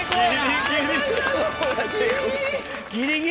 はい。